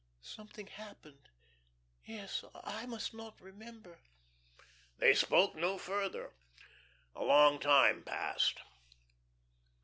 Something happened. Yes. I must not remember." They spoke no further. A long time passed.